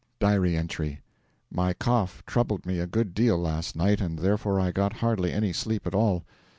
(Diary entry) My cough troubled me a good deal last night, and therefore I got hardly any sleep at all.